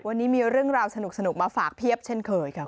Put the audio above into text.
วันนี้มีเรื่องราวสนุกมาฝากเพียบเช่นเคยค่ะ